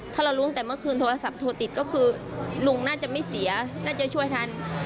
ถ้าเรารู้ตั้งแต่เมื่อคืนโทรศัพท์โทรติดก็คือลุงน่าจะไม่เสียน่าจะช่วยทัน